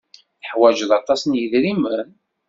Teḥwaj aṭas n yidrimen?